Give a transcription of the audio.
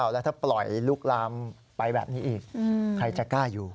แล้วถ้าปล่อยลุกลามไปแบบนี้อีกใครจะกล้าอยู่